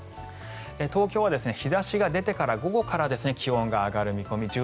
東京は日差しが出てから午後から気温が上がる見込み。